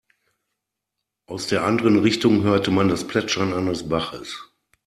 Aus der anderen Richtung hörte man das Plätschern eines Baches.